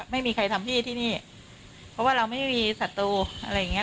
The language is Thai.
ไม่มีใครทำพี่ที่นี่เพราะว่าเราไม่มีศัตรูอะไรอย่างเงี้